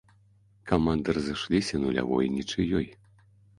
Каманды разышліся нулявой нічыёй.